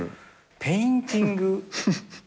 ペインティング。